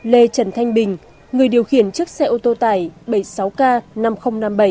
lê trần thanh bình người điều khiển chiếc xe ô tô tải bảy mươi sáu k năm nghìn năm mươi bảy